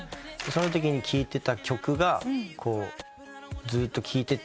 そのときに聴いてた曲がずっと聴いてて。